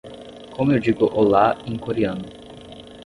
Como eu digo olá em coreano?